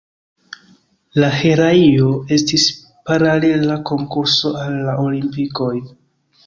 La heraio estis paralela konkurso al la Olimpikoj.